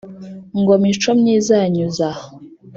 Ngo mico myiza yanyuze aha!